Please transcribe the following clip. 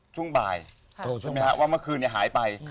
ช่วงบ่ายว่าเมื่อคืนนี้หายไป